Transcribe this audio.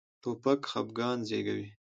توپک خپګان زېږوي.